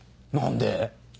何で？